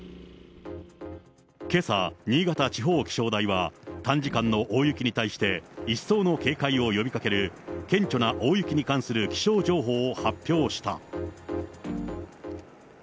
けさ、新潟地方気象台は、短時間の大雪に対して、一層の警戒を呼び掛ける顕著な大雪に関する気象情報を発表した。